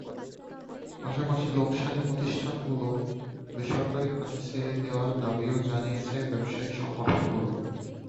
পাশাপাশি লোকসানি প্রতিষ্ঠানগুলো বেসরকারি খাতে ছেড়ে দেওয়ার দাবিও জানিয়েছে ব্যবসায়ী সংগঠনগুলো।